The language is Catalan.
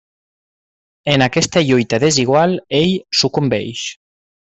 En aquesta lluita desigual ell sucumbeix.